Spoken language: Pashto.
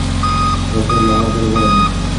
دا کار له هغه بل غوره دی.